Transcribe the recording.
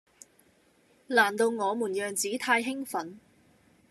難道我們樣子太興奮